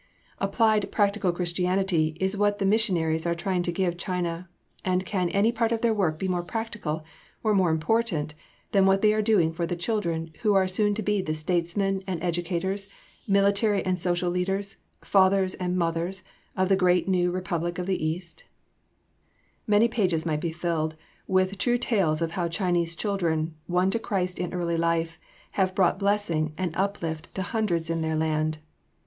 [Sidenote: Applied Christianity in China.] "Applied, practical Christianity," is what the missionaries are trying to give China, and can any part of their work be more practical or more important than what they are doing for the children who are soon to be the statesmen and educators, the military and social leaders, the fathers and mothers of the great new Republic of the East? [Sidenote: Dr. Li Bi Cu.] Many pages might be filled with true tales of how Chinese children, won to Christ in early life, have brought blessing and uplift to hundreds in their land.